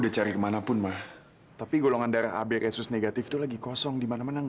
sampai jumpa di video selanjutnya